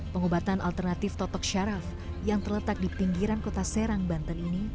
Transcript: pengobatan alternatif totok syaraf yang terletak di pinggiran kota serang banten ini